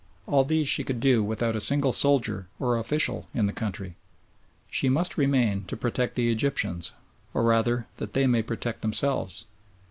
All these she could do without a single soldier or official in the country. She must remain to protect the Egyptians, or rather that they may protect themselves.